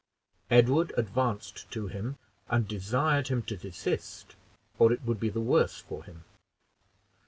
Edward advanced to him and desired him to desist, or it would be the worse for him.